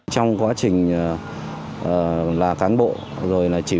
trong quá trình là cán bộ rồi là chỉ